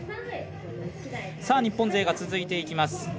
日本勢が続いていきます。